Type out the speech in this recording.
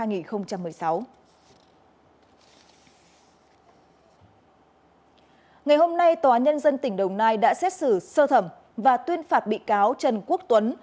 ngày hôm nay tòa nhân dân tỉnh đồng nai đã xét xử sơ thẩm và tuyên phạt bị cáo trần quốc tuấn